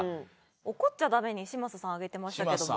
怒っちゃダメに嶋佐さん上げてましたけど。